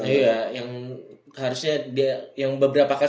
iya harusnya yang beberapa kali